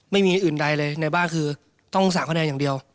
ไม่มีอื่นใดเลยในบ้านคือต้อง๓คะแนนอย่างเดียว